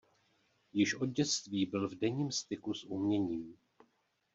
Již od dětství byl v denním styku s uměním.